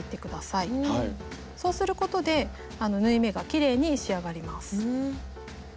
そうすることで縫い目がきれいに仕上がります。